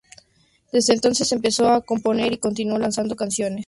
Desde entonces empezó a componer y continuó lanzando canciones.